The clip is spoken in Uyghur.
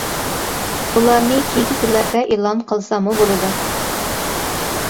ئۇلارنى كېيىنكى كۈنلەردە ئېلان قىلساممۇ بولىدۇ.